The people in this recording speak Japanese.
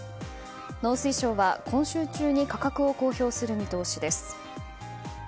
農水省は今週中に価格を公表する見通しです。